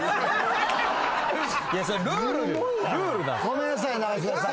ごめんなさい永島さん。